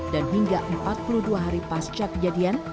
dan hingga empat puluh dua hari pasca kejadian